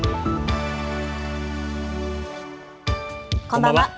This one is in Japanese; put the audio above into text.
こんばんは。